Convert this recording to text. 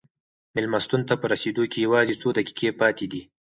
مېلمستون ته په رسېدو کې یوازې څو دقیقې پاتې دي.